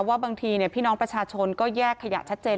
ว่าบางทีพี่น้องประชาชนก็แยกขยะชัดเจน